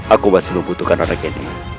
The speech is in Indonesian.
aku masih membutuhkan anak ini